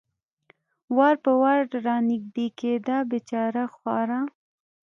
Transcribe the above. وار په وار را نږدې کېده، بېچاره خورا.